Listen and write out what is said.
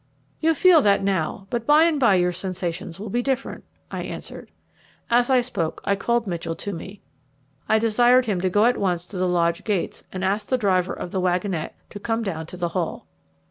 "You feel that now, but by and by your sensations will be different," I answered. As I spoke I called Mitchell to me. I desired him to go at once to the lodge gates and ask the driver of the wagonette to come down to the Hall.